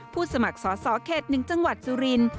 ผู้สมัครสอสเข็ดหนึ่งจังหวัดสุริน